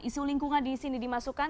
isu lingkungan disini dimasukkan